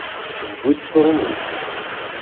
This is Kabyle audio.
Tewwi-t tṛumit.